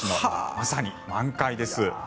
まさに満開です。